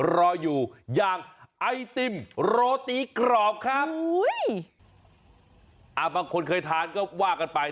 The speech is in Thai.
รออยู่อย่างไอติมโรตีกรอบครับอุ้ยอ่าบางคนเคยทานก็ว่ากันไป